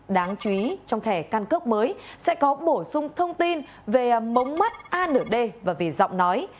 đáng chú ý trong thẻ căn cước mới sẽ có bổ sung thông tin về mống mắt a nửa d và vì giọng nói